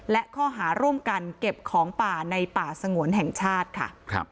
และข้อหาร่วมกันเก็บของป่าในป่าสงวนแห่งชาติค่ะ